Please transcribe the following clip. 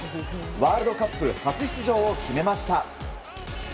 ワールドカップ初出場を決めました。